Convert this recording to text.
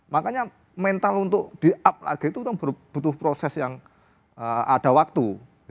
makanya mental untuk di up lagi itu butuh proses yang ada waktu